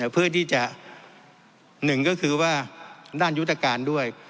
เพื่อที่จะหนึ่งก็คือว่าด้านยุทธการด้วย